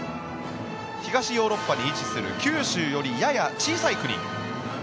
東ヨーロッパに位置する九州よりやや小さい国。